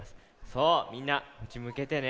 そうみんなこっちむけてね。